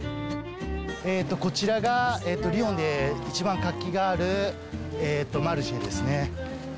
こちらがリヨンで一番活気があるマルシェですね。